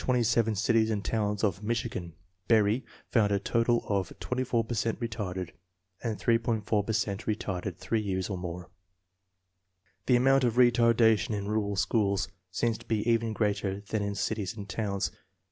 6 per cent In 227 cities and towns of Michigan, Berry found a total of 24 per cent retarded, and 3.5 per cent retarded three years or more. 1 The amount of retardation in rural schools seems to be even greater than in cities and towns.